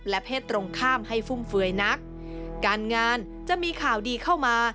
เพศตรงข้ามให้ฟุ่มเฟือยนักการงานจะมีข่าวดีเข้ามา